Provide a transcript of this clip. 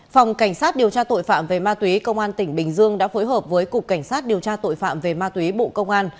phòng cảnh sát điều tra tội phạm về ma túy công an tỉnh bình dương đã phối hợp với cục cảnh sát điều tra tội phạm về ma túy bộ công an